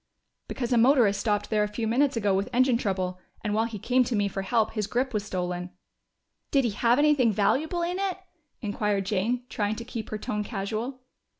"Because a motorist stopped there a few minutes ago with engine trouble, and while he came to me for help his grip was stolen." "Did it have anything valuable in it?" inquired Jane, trying to keep her tone casual.